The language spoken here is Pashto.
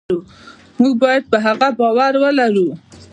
موږ باید پر هغه باور ولرو.